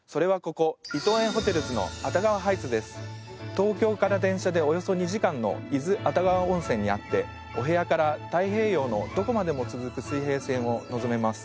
東京から電車でおよそ２時間の伊豆熱川温泉にあってお部屋から太平洋のどこまでも続く水平線をのぞめます。